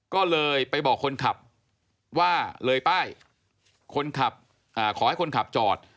ก็เลยไปบอกคนขับว่าเลยป้ายคนขับขอให้คนขับจอด